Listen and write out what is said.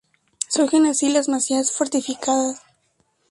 Surgen así las masías fortificadas.